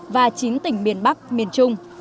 và chín tỉnh miền bắc miền trung